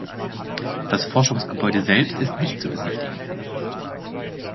Das Forschungsgebäude selbst ist nicht zu besichtigen.